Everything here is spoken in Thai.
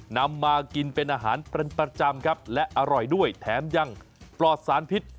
นำมากินเป็นอาหารเป็นประจำครับและอร่อยด้วยแถมยังปลอดสารพิษ